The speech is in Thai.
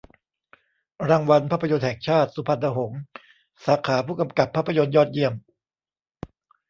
รางวัลภาพยนตร์แห่งชาติ สุพรรณหงส์ สาขาผู้กำกับภาพยนตร์ยอดเยี่ยม